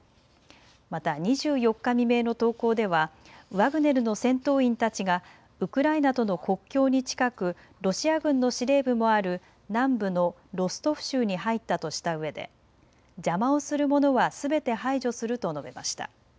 また２４日未明の投稿ではワグネルの戦闘員たちがウクライナとの国境に近くロシア軍の司令部もある南部のロストフ州に入ったとしたうえで邪魔をする者はすべて排除すると述べました。